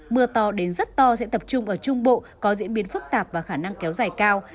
mưa to đến rất to sẽ tập trung ở trung bộ có diễn biến phức tạp và khả năng kéo dài cao